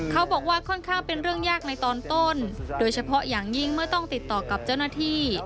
เขาบอกว่าค่อนข้างเป็นเรื่องยากในตอนต้นโดยเฉพาะอย่างยิ่งเมื่อต้องติดต่อกับเจ้าหน้าที่